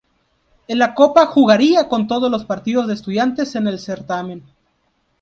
En la Copa jugaría todos los partidos de Estudiantes en el certamen.